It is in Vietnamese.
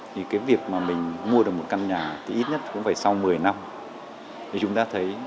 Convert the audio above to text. thì việc mà mình mua được một căn nhà thì ít nhất cũng phải sau một mươi năm